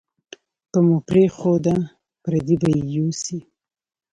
که مو پرېښوده، پردي به یې یوسي.